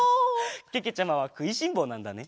けけちゃまはくいしんぼうなんだね。